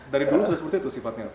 dari dulu sudah seperti itu sifatnya